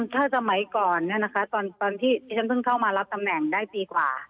ถ้าสมัยก่อนตอนที่ที่ฉันเพิ่งเข้ามารับตำแหน่งได้ปีกว่า